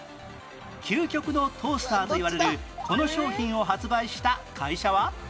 究極のトースターといわれるこの商品を発売した会社は？